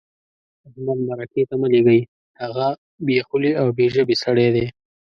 احمد مرکې ته مه لېږئ؛ هغه بې خولې او بې ژبې سړی دی.